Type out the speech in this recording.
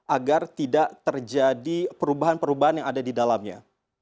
agar tidak terjadi perubahan perubahan yang ada di dalamnya